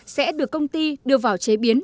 sẽ được công ty đưa vào chế biến